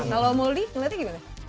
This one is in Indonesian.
kalau mouldie ngeliatnya gimana